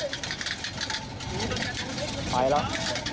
กลายแล้ว